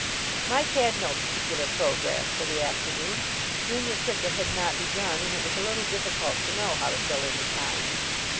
Mike had no particular programme for the afternoon. Junior cricket had not begun, and it was a little difficult to know how to fill in the time.